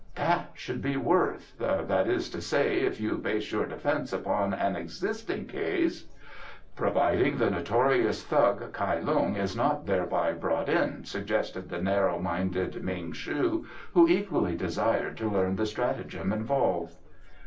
"That should be worth that is to say, if you base your defence upon an existing case " "Providing the notorious thug Kai Lung is not thereby brought in," suggested the narrow minded Ming shu, who equally desired to learn the stratagem involved.